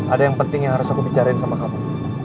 ada yang penting yang harus aku bicarain sama kamu